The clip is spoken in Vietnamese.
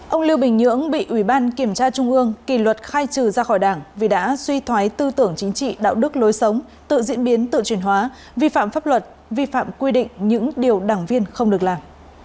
ông lưu bình nhưỡng bị ủy ban kiểm tra trung ương kỳ luật khai trừ ra khỏi đảng vì đã suy thoái tư tưởng chính trị đạo đức lối sống tự diễn biến tự truyền hóa vi phạm pháp luật vi phạm quy định những điều đảng viên không được làm